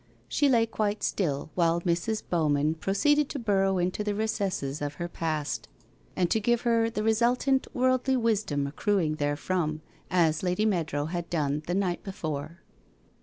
She lay quite still, while Mrs. Bow man proceeded to burrow into the recesses of her past, and 186 WHITE ROSE OF WEARY LEAF to give her the resultant worldly wisdom accruing there from, as Lady Meadrow had done the night before.